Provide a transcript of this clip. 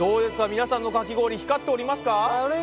皆さんのかき氷光っておりますか？